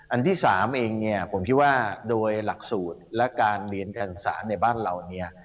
อันที่๓เองเนี่ยผมคิดว่าโดยหลักสูตรและการเรียนการศึกษาในบ้านเราเนี่ย